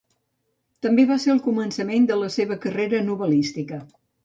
També va ser el començament de la seva carrera novel·lística.